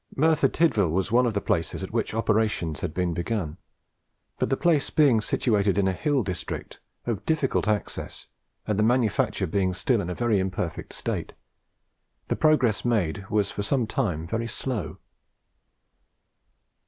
Merthyr Tydvil was one of the places at which operations had been begun, but the place being situated in a hill district, of difficult access, and the manufacture being still in a very imperfect state, the progress made was for some time very slow.